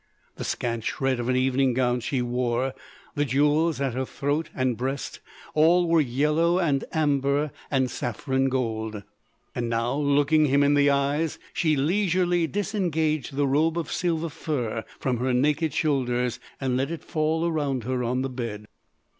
The scant shred of an evening gown she wore, the jewels at her throat and breast, all were yellow and amber and saffron gold. And now, looking him in the eyes, she leisurely disengaged the robe of silver fur from her naked shoulders and let it fall around her on the bed.